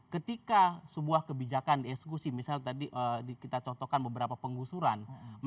ketika sebuah kebijakan dieksekusi misalnya tadi kita contohkan beberapa penggusuran